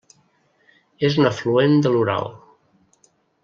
És un afluent de l'Ural.